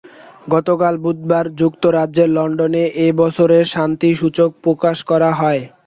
গতকাল বুধবার যুক্তরাজ্যের লন্ডনে এ বছরের শান্তি সূচক প্রকাশ করা হয়।